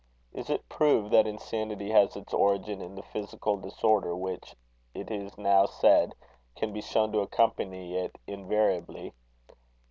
Is it proved that insanity has its origin in the physical disorder which, it is now said, can be shown to accompany it invariably?